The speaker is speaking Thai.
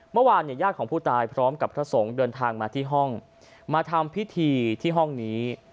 เมื่อวานเนี่ยญาติของผู้ตายพร้อมกับพระสงฆ์เดินทางมาที่ห้องมาทำพิธีที่ห้องนี้